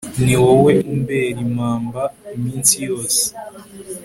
ni wowe umbera impamba iminsi yose